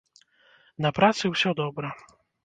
На працы ўсё добра.